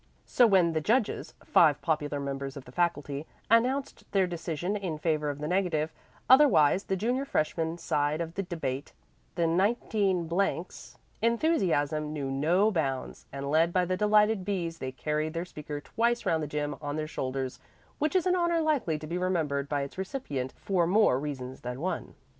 So when the judges five popular members of the faculty announced their decision in favor of the negative, otherwise the junior freshman side of the debate, 19 's enthusiasm knew no bounds, and led by the delighted B's they carried their speaker twice round the gym on their shoulders which is an honor likely to be remembered by its recipient for more reasons than one.